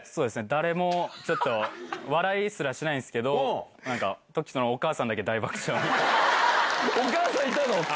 誰もちょっと、笑いすらしないんですけど、なんか、お母さんいたの。